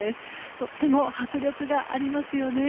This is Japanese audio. とっても迫力がありますよね。